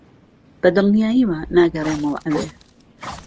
بەدڵنیاییەوە ناگەڕێمەوە ئەوێ.